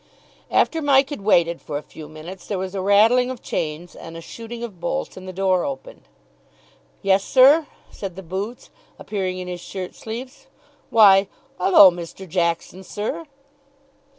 After Mike had waited for a few minutes there was a rattling of chains and a shooting of bolts and the door opened. "Yes, sir?" said the boots, appearing in his shirt sleeves. "Why, 'ullo! Mr. Jackson, sir!"